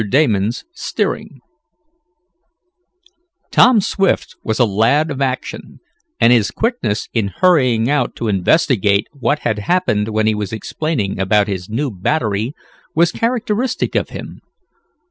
DAMON'S STEERING Tom Swift was a lad of action, and his quickness in hurrying out to investigate what had happened when he was explaining about his new battery, was characteristic of him.